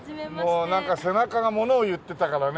もうなんか背中がものを言ってたからね